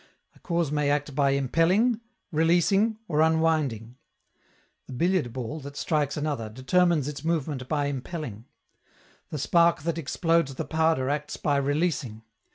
A cause may act by impelling, releasing, or unwinding. The billiard ball, that strikes another, determines its movement by impelling. The spark that explodes the powder acts by releasing.